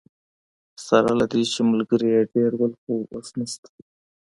سره له دې چي ملګري یې ډیر وو خو اوس نسته.